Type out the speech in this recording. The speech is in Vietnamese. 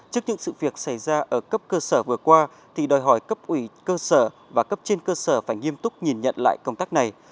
trước những sự việc xảy ra ở cấp cơ sở vừa qua thì đòi hỏi cấp ủy cơ sở và cấp trên cơ sở phải nghiêm túc nhìn nhận lại công tác này